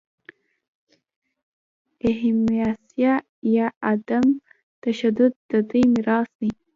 اهیمسا یا عدم تشدد د دوی میراث دی.